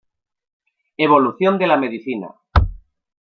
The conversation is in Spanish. Evolución de la Medicina.